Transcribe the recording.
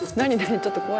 ちょっと怖いな。